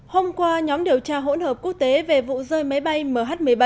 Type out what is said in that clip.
hôm qua nhóm điều tra hỗn hợp quốc tế về vụ rơi máy bay mh một mươi bảy